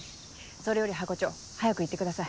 それよりハコ長早く行ってください。